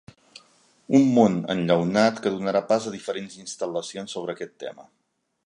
Un món enllaunat que donarà pas a diferents instal·lacions sobre aquest tema.